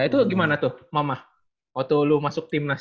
ya itu gimana tuh mama waktu lu masuk tim nas